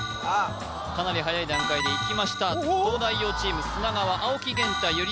かなりはやい段階でいきました東大王チーム砂川青木源太ゆり